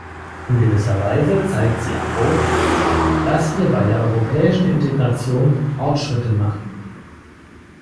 In gewisser Weise zeigt sie auch, dass wir bei der europäischen Integration Fortschritte machen.